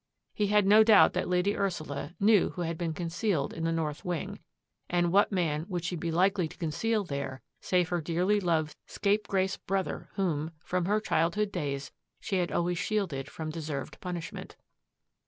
He had no doubt that Lady Ursula knew who had been concealed in the north wing, and what man would she be likely to conceal there save her dearly loved scapegrace brother whom, from her childhood days, she had always shielded from deserved punishment?